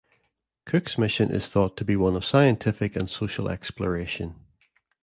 Cook's mission is thought to be one of scientific and social exploration.